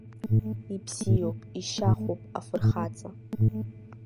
Ибзиоуп, ишьахәуп, афырхаҵа!